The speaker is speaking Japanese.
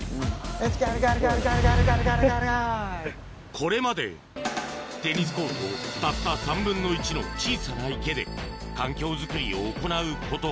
これまでテニスコートたった３分の１の小さな池で環境づくりを行うこと